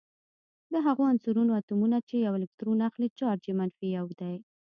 د هغو عنصرونو اتومونه چې یو الکترون اخلي چارج یې منفي یو دی.